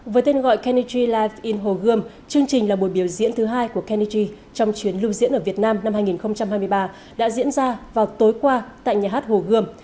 với tên gọi kennedy lif in hồ gươm chương trình là buổi biểu diễn thứ hai của kennedy trong chuyến lưu diễn ở việt nam năm hai nghìn hai mươi ba đã diễn ra vào tối qua tại nhà hát hồ gươm